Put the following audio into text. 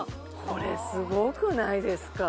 これすごくないですか？